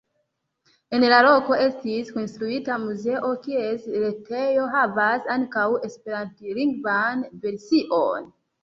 En la loko estis konstruita muzeo, kies retejo havas ankaŭ esperantlingvan version.